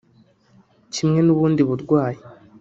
Kimwe n’ubundi burwayi